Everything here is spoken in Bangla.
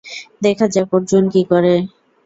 দেখা যাক, অর্জুন কি করে।